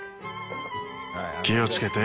気をつけて。